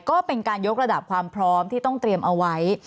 ก็เป็นการยกระดับความพร้อมที่ต้องเตรียมเอาไว้